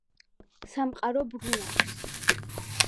სამყარო ბრუნავს